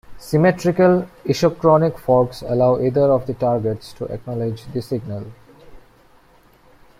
Symmetrical isochronic forks allow either of the targets to acknowledge the signal.